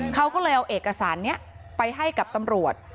เขาก็เลยเอาเอกสารนี้ไปให้กับตำรวจ